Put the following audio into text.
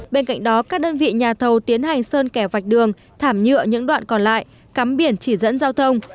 bên cạnh đó các đơn vị nhà thầu tiến hành sơn kẻ vạch đường thảm nhựa những đoạn còn lại cắm biển chỉ dẫn giao thông